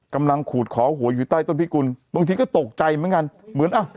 ขูดขอหัวอยู่ใต้ต้นพิกุลบางทีก็ตกใจเหมือนกันเหมือนอ่ะ